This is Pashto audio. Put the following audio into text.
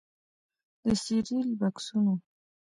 د سیریل بکسونو